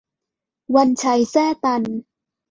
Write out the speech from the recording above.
วันชัย แซ่ตัน